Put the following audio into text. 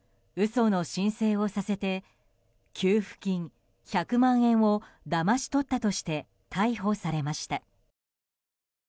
嘘の申請をさせて給付金１００万円をだまし取ったとして逮捕されました。